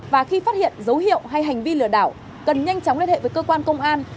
và khi phát hiện dấu hiệu hay hành vi lừa đảo cần nhanh chóng liên hệ với cơ quan công an